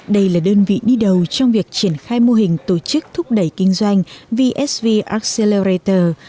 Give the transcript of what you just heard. đây là đơn vị đi đầu trong việc triển khai mô hình tổ chức thúc đẩy kinh doanh vsv accelerator